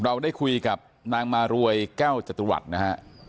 เพราะไม่เคยถามลูกสาวนะว่าไปทำธุรกิจแบบไหนอะไรยังไง